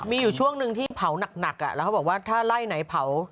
มีอยู่ช่วงหนึ่งที่เผาหนักแล้วเขาบอกว่าถ้าไล่ไหนเผา